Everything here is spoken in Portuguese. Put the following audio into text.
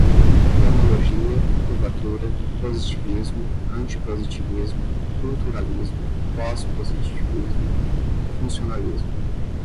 cronologia, curvatura, positivismo, antipositivismo, culturalismo, pós-positivismo, funcionalismo